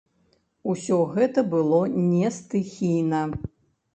Усе гэта было не стыхійна.